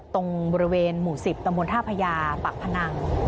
ตรงบริเวณหมู่สิบตะมนต์ท่าพยาปากพนัง